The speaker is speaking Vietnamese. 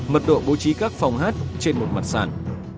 mật độ bố trí các phòng hát trên một mặt sàn